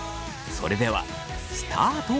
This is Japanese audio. それではスタート。